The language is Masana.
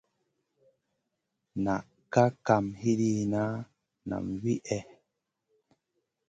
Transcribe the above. Na kaʼa kam hidina nam wihè.